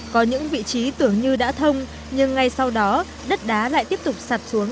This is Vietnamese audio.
có những vị trí tưởng như đã thông nhưng ngay sau đó đất đá lại tiếp tục sạt xuống